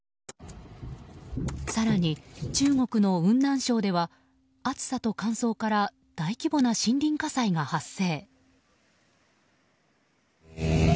更に、中国の雲南省では暑さと乾燥から大規模な森林火災が発生。